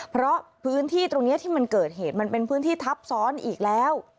เพราะพื้นที่ตรงนี้ที่มันเกิดเหตุมันเป็นพื้นที่ทับซ้อนอีกแล้ว